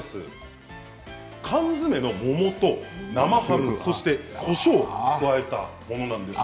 缶詰の桃と生ハム、そしてこしょうを加えたものです。